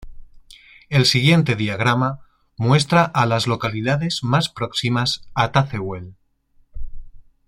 El siguiente diagrama muestra a las localidades más próximas a Tazewell.